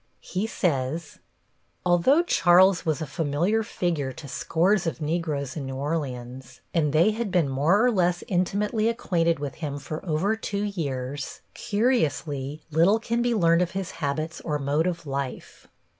He says: Although Charles was a familiar figure to scores of Negroes in New Orleans, and they had been more or less intimately acquainted with him for over two years, curiously little can be learned of his habits or mode of life.